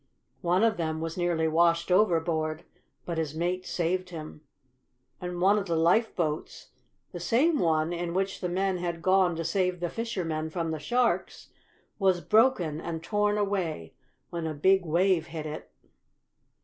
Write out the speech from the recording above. One of them was nearly washed overboard, but his mates saved him. And one of the lifeboats the same one in which the men had gone to save the fishermen from the sharks was broken and torn away when a big wave hit it.